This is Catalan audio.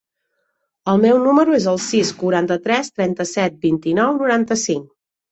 El meu número es el sis, quaranta-tres, trenta-set, vint-i-nou, noranta-cinc.